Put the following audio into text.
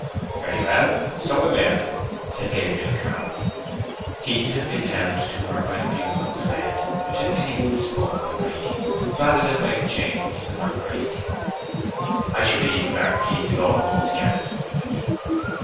"Very well, so I will," said Gabriel calmly. He had been held to her by a beautiful thread which it pained him to spoil by breaking, rather than by a chain he could not break. "I should be even better pleased to go at once," he added.